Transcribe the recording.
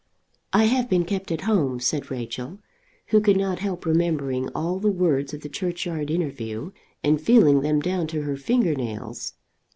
"I have been kept at home," said Rachel, who could not help remembering all the words of the churchyard interview, and feeling them down to her finger nails.